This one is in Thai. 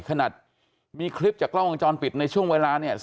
ขนาดมีคลิปจากกล้องวงจรปิดในช่วงเวลาเนี่ย